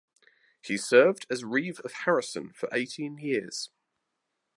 He served as reeve of Harrison for eighteen years.